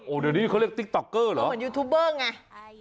เดี๋ยวนี้เขาเรียกติ๊กต๊อกเกอร์เหรอเหมือนยูทูบเบอร์ไง